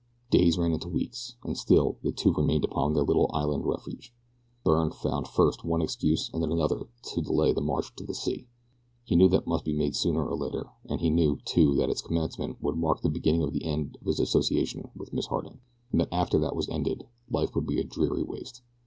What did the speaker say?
Days ran into weeks, and still the two remained upon their little island refuge. Byrne found first one excuse and then another to delay the march to the sea. He knew that it must be made sooner or later, and he knew, too, that its commencement would mark the beginning of the end of his association with Miss Harding, and that after that was ended life would be a dreary waste.